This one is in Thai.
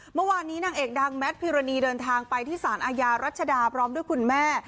เมื่อวานนี้นางเอกดังแมทพิรณีเดินทางไปที่สารอาญารัชดาพร้อมด้วยคุณแม่